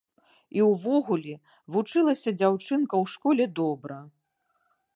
І ўвогуле, вучылася дзяўчынка ў школе добра.